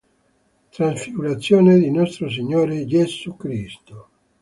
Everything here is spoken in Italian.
Trasfigurazione di Nostro Signore Gesù Cristo